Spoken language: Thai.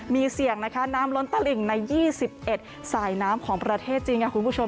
มีเสี่ยงน้ำล้นตระหลิ่งใน๒๑สายน้ำของประเทศจีนไหมคุณผู้ชม